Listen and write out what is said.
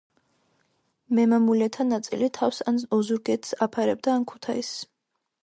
მემამულეთა ნაწილი თავს ან ოზურგეთს აფარებდა, ან ქუთაისს.